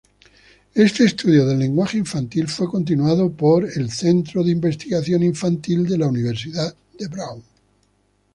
Este estudio del lenguaje infantil fue continuado por la Brown University Infant Research Center.